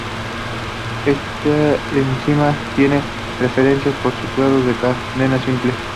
Esta enzima tiene preferencia por sustratos de cadena simple.